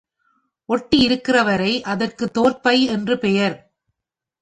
ஒட்டி இருக்கிறவரை அதற்கு தோல்பை என்று பெயர்.